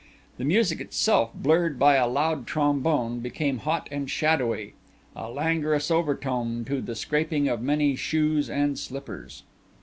The music itself, blurred by a loud trombone, became hot and shadowy, a languorous overtone to the scraping of many shoes and slippers.